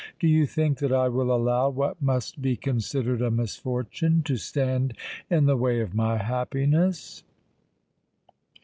"Do you think that I will allow what must be considered a misfortune to stand in the way of my happiness?"